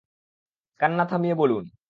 কান্না থামিয়ে বলুন।